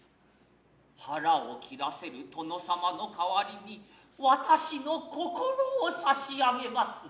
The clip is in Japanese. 腹を切らせる殿様のかはりに私の心を差上げます。